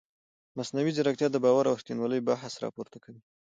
مصنوعي ځیرکتیا د باور او ریښتینولۍ بحث راپورته کوي.